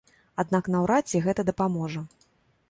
Аднак наўрад ці гэта дапаможа.